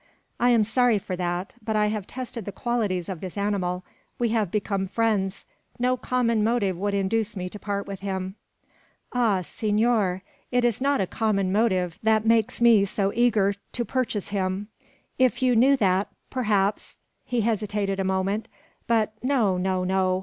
"I am sorry for that; but I have tested the qualities of this animal. We have become friends. No common motive would induce me to part with him." "Ah, senor! it is not a common motive that makes me so eager to purchase him. If you knew that, perhaps " he hesitated a moment; "but no, no, no!"